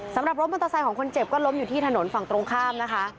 สำหรับรบมันตะไซน์ของคนเจ็บก็ล้มอยู่ที่ถนนฝั่งตรงข้ามนะคะ